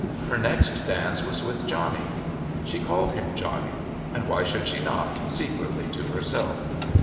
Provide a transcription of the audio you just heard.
Her next dance was with Johnny. She called him Johnny. And why should she not, secretly to herself?